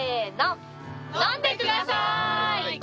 飲んでください！